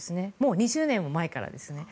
２０年も前からですね。